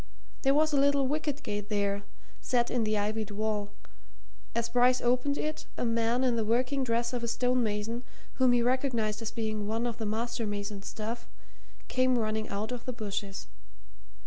There was a little wicket gate there, set in the ivied wall; as Bryce opened it, a man in the working dress of a stone mason, whom he recognized as being one of the master mason's staff, came running out of the bushes.